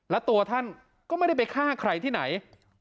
และตัวท่านก็ไม่ได้ไปฆ่าใครที่ไหน